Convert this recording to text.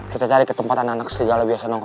kita cari ke tempat anak kedigala biasa nongkut